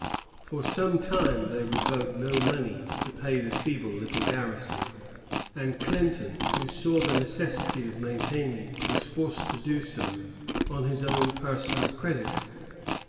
For some time they would vote no money to pay the feeble little garrison; and Clinton, who saw the necessity of maintaining it, was forced to do so on his own personal credit.